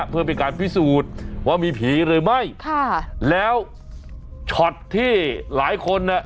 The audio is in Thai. เพื่อเป็นการพิสูจน์ว่ามีผีหรือไม่ค่ะแล้วช็อตที่หลายคนน่ะ